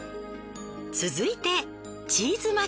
続いてチーズ巻。